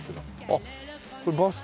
あっこれバス停？